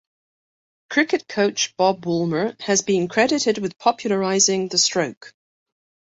Cricket coach Bob Woolmer has been credited with popularising the stroke.